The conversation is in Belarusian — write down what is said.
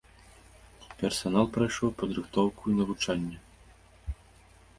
Персанал прайшоў падрыхтоўку і навучанне.